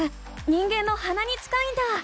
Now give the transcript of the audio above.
人間のはなに近いんだ！